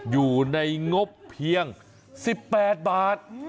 อยู่ในงบเพียง๑๘บาท